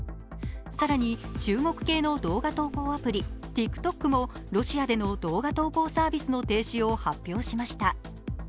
更に中国系の動画投稿アプリ、ＴｉｋＴｏｋもロシアでの動画投稿サービスの停止を発表しました。